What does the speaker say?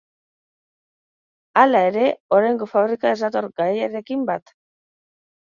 Hala ere, oraingo fabrika ez dator garaiarekin bat.